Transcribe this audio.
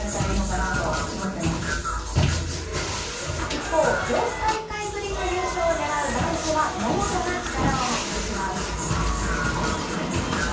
一方、４大会ぶりの優勝をねらう男子は桃田が力を発揮します。